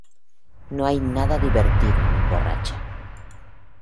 No hay nada divertido en un borracho.